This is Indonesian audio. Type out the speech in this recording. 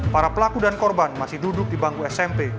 para pelaku dan korban masih duduk di bangku smp